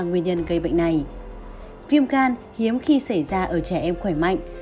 viêm gan hiếm khi xảy ra ở trẻ em khỏe mạnh